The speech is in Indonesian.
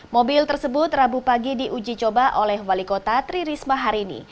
mobil tersebut rabu pagi diuji coba oleh wali kota tri risma hari ini